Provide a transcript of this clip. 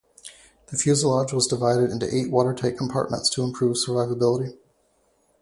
The fuselage was divided into eight watertight compartments to improve survivability.